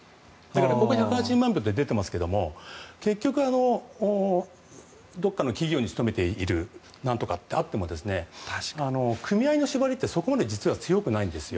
ここに１８０万票と出てますが結局どこかの企業に勤めている何とかとかあっても組合の縛りって実はそこまで強くないんですよ。